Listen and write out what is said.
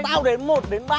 tao đến một đến ba nhá tao